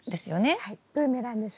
そうブーメランです。